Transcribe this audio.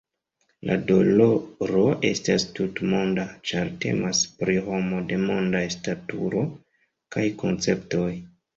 La doloro estas tutmonda, ĉar temas pri homo de mondaj staturo kaj konceptoj.